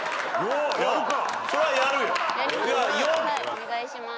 お願いします。